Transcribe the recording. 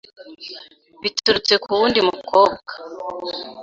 biturutse ku wundi mukobwa,